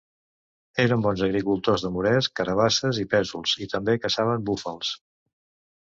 Eren bons agricultors de moresc, carabasses i pèsols, i també caçaven búfals.